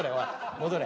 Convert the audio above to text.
戻れ。